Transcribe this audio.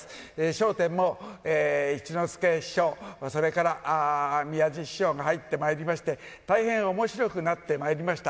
笑点も一之輔師匠、それから宮治師匠が入ってまいりまして、大変おもしろくなってまいりました。